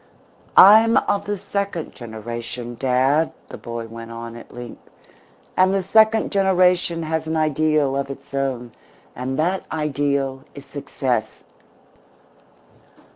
"I'm of the second generation, dad," the boy went on, at length, "and the second generation has an ideal of its own, and that ideal is Success.